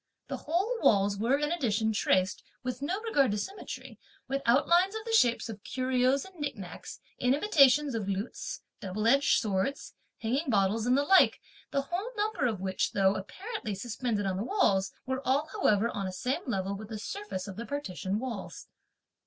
The whole walls were in addition traced, with no regard to symmetry, with outlines of the shapes of curios and nick nacks in imitation of lutes, double edged swords, hanging bottles and the like, the whole number of which, though (apparently) suspended on the walls, were all however on a same level with the surface of the partition walls.